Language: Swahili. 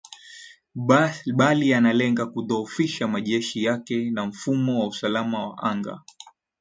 bali yanalenga kudhoofisha majeshi yake na mfumo wa usalama wa anga